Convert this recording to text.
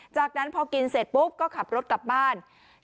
จากนั้นพอกินเสร็จปุ๊บก็ขับรถกลับบ้าน